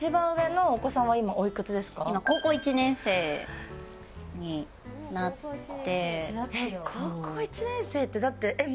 今高校１年生になって。